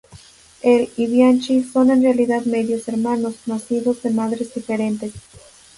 Él y Bianchi son en realidad medios hermanos, nacidos de madres diferentes.